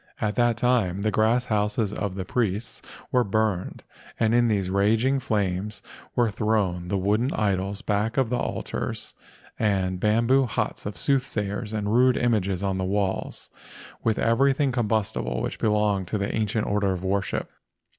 At that time the grass houses of the priests were burned and in these raging flames were thrown the wooden idols back of the altars and the bam¬ boo huts of the soothsayers and the rude images on the walls, with everything combustible which belonged to the ancient order of worship.